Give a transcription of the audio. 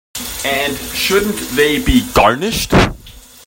And shouldn't they be garnished?